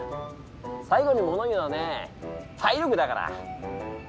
最後に物を言うのはね体力だから。